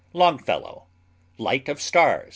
LONGFELLOW Light of Stars st.